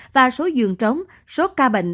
và số dường trống số ca bệnh